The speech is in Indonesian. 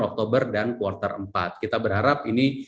oktober dan quarter empat kita berharap ini